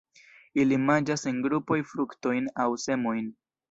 Ili manĝas en grupoj fruktojn aŭ semojn.